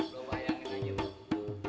lo bayangin aja be